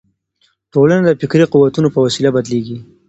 ټولنه د فکري قوتونو په وسیله بدلیږي.